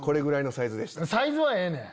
サイズはええねん！